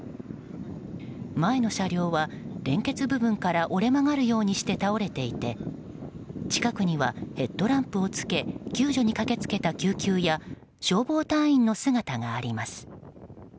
前の車両は連結部分から折れ曲がるようにして倒れていて近くにはヘッドランプをつけ救助に駆け付けた救急や消防隊員の姿があります。